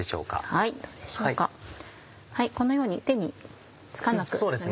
はいこのように手につかなくなりました。